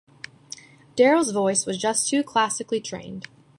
Daryl's voice was just too classically trained.